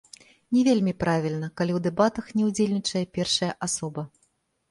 Не вельмі правільна, калі ў дэбатах не ўдзельнічае першая асоба.